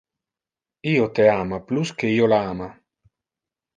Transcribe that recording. Io te ama plus que io la ama.